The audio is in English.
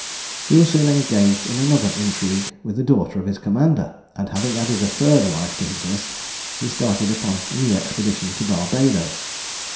He was soon engaged in another intrigue with the daughter of his commander, and having added a third wife to his list, he started upon a new expedition to Barbadoes.